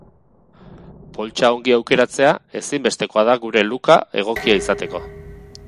Poltsa ongi aukeratzea ezinbestekoa da gure look-a egokia izateko.